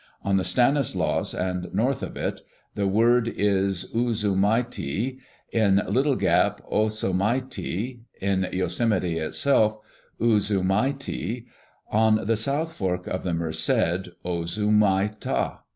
On the Stanislaus and north of it, the word is u zu' mai ti; at Little Gap, o so' mai ti; in Yosemite itself, u zu' mai ti; on the South Fork of the Merced, uh zu' mai tuh....